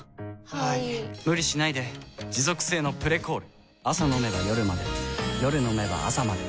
はい・・・無理しないで持続性の「プレコール」朝飲めば夜まで夜飲めば朝まで